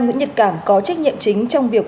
nguyễn nhật cảm có trách nhiệm chính trong việc